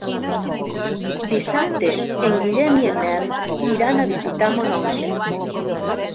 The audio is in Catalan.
Dissabte en Guillem i en Nel iran a visitar mon oncle.